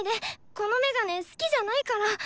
このメガネ好きじゃないから。